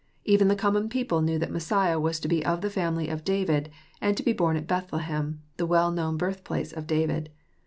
Even the common people knew that Messiah was to be of the family of David, and to be bom at Bethlehem, the well known birthplace of David.